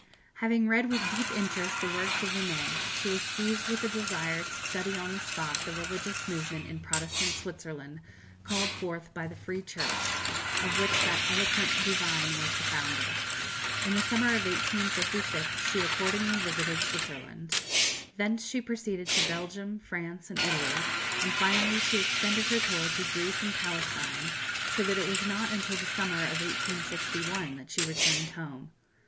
Having read with deep interest the works of Vinet, she was seized with a desire to study on the spot the religious movement in Protestant Switzerland called forth by the "Free Church," of which that eloquent divine was the founder. In the summer of 1856 she accordingly visited Switzerland. Thence she proceeded to Belgium, France, and Italy, and finally she extended her tour to Greece and Palestine, so that it was not until the summer of 1861 that she returned home.